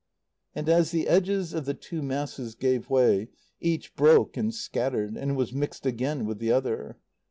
And as the edges of the two masses gave way, each broke and scattered, and was mixed again with the other.